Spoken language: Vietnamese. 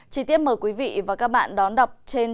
chỉ tiếp mời quý vị và các bạn đón đọc trên